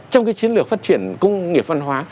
trong cái chiến lược phát triển công nghiệp văn hóa